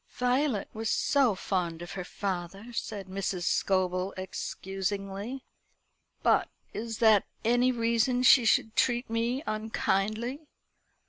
"Violet was so fond of her father," said Mrs. Scobel excusingly. "But is that any reason she should treat me unkindly?